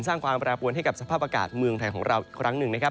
สร้างความแปรปวนให้กับสภาพอากาศเมืองไทยของเราอีกครั้งหนึ่งนะครับ